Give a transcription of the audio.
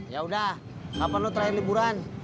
yaudah kapan lo terakhir liburan